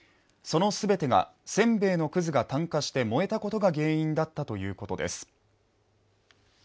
その全てがせんべいのくずが炭化して燃えたことが原因だったということです。